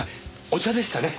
お茶でしたね。